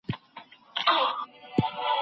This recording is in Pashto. زه پرون ډوډۍ پخوم وم.